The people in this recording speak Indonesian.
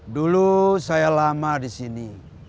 dulu saya lama disini